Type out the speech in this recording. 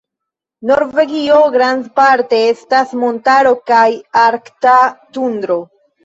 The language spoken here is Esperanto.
Norvegio grandparte estas montaro kaj arkta tundro.